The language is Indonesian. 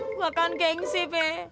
gua kan gengsi be